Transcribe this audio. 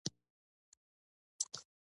دَ زرګونو کلونو پۀ حساب څومره مخلوق تلي راغلي